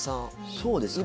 そうですかね